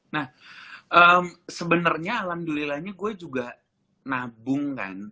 nah sebenarnya alhamdulillahnya gue juga nabung kan